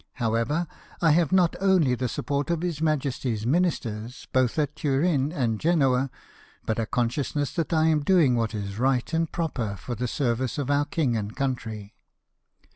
However, I have not only the support of His Majesty's Ministers, both at Turin and Genoa, but a consciousness that I am doing what is right and proper for the service of oiu: king and country.